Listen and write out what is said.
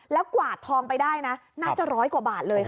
แล้วกวาดทองไปได้นะน่าจะร้อยกว่าบาทเลยค่ะ